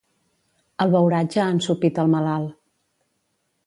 El beuratge ha ensopit el malalt.